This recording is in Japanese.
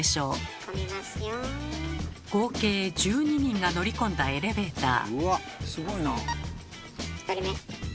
合計１２人が乗り込んだエレベーター。